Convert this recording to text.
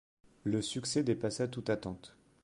Le succès dépassa toute attente.